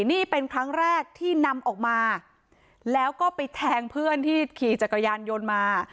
นี่เป็นครั้งแรกที่นำออกมาแล้วก็ไปแทงเพื่อนที่ขี่จักรยานยนต์มา